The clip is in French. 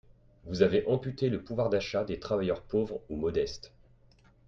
Vous avez amputé le pouvoir d’achat des travailleurs pauvres ou modestes.